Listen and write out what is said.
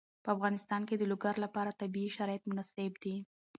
په افغانستان کې د لوگر لپاره طبیعي شرایط مناسب دي.